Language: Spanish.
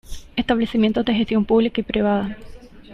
Establecimientos de gestión pública y privada.